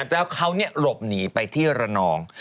แล้วเขาหลบหนีไปที่ระนอง